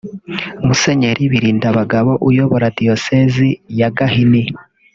Musenyeri Birindabagabo uyobora Diyosezi ya Gahini